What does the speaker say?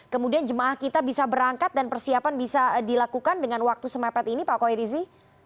kemudian jemaah kita bisa berangkat dan persiapan bisa dilakukan dengan waktu semepet ini pak koirizi